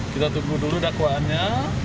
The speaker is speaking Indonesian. kita tunggu dulu dakwaannya